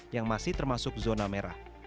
yang masih termasuk zona merah